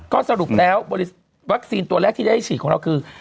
ก็สรุปแล้ววัคซีนตัวแรกที่ได้ฉีดของเราคือ